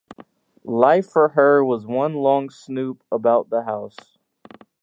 Life for her was one long snoop about the house.